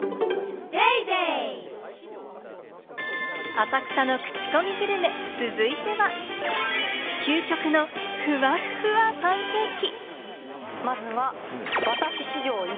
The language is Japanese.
浅草のクチコミグルメ、続いては、究極のふわっふわパンケーキ。